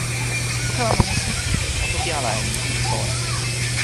o kalama musi. o toki ala e ni: ni li powe.